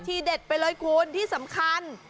เด็ดไปเลยคุณที่สำคัญ